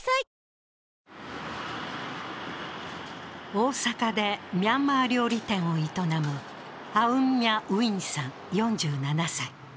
大阪でミャンマー料理店を営むアウン・ミャッ・ウィンさん４７歳。